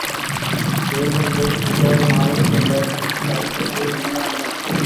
தேனிரும்பை உள்ளகமாகக் கொண்ட வரிச்சுற்றே மின்காந்தம்.